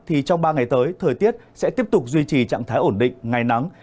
thì trong ba ngày tới thời tiết sẽ tiếp tục duy trì trạng thái ổn định ngày nắng